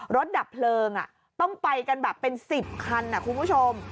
ดับเพลิงต้องไปกันแบบเป็น๑๐คันคุณผู้ชม